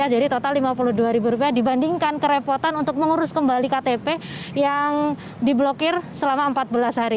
dari total rp lima puluh dua dibandingkan kerepotan untuk mengurus kembali ktp yang diblokir selama empat belas hari